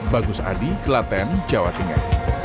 bagus adi kelaten jawa tengah